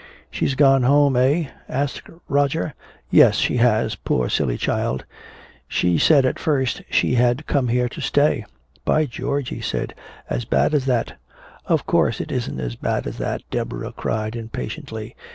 "She's gone home, eh?" asked Roger. "Yes, she has, poor silly child she said at first she had come here to stay." "By George," he said. "As bad as that?" "Of course it isn't as bad as that!" Deborah cried impatiently.